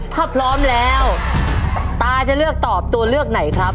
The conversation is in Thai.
ถ้าพร้อมแล้วตาจะเลือกตอบตัวเลือกไหนครับ